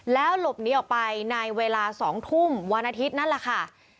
แล้วหลบหนีออกไปในเวลา๒ทุ่มวันอาทิตย์นั่นแหละค่ะ